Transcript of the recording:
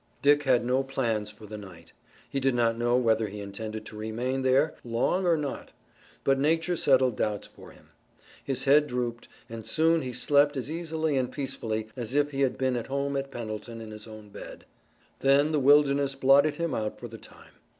Dick had no plans for the night. He did not know whether he intended to remain there long or not, but nature settled doubts for him. His head drooped, and soon he slept as easily and peacefully as if he had been at home at Pendleton in his own bed. Then the wilderness blotted him out for the time.